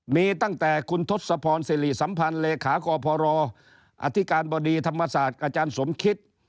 มีตั้งแต่คุณทศพรสิริสัมพันธ์เลขากพอรออธิการบดีธรรมศาสตร์อาจารย์สมคิต